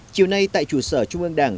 chiều nay tại chủ sở trung ương đảng